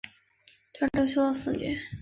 她是刘秀的四女。